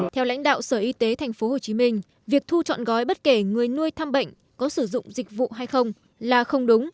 theo lãnh đạo sở y tế tp hcm việc thu chọn gói bất kể người nuôi thăm bệnh có sử dụng dịch vụ hay không là không đúng